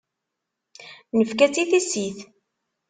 Nefka-tt i tissit.